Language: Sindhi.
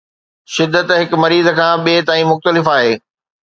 شدت هڪ مريض کان ٻئي تائين مختلف آهي